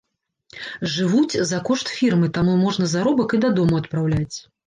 Жывуць за кошт фірмы, таму можна заробак і дадому адпраўляць.